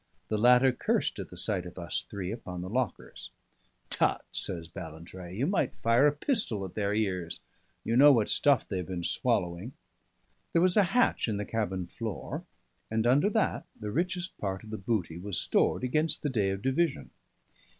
The latter cursed at the sight of us three upon the lockers. "Tut," says Ballantrae, "you might fire a pistol at their ears. You know what stuff they have been swallowing." There was a hatch in the cabin floor, and under that the richest part of the booty was stored against the day of division.